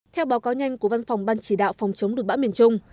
theo báo cáo nhanh của văn phòng ban chỉ đạo phòng chống được bão miền trung